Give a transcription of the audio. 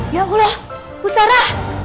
ya allah usara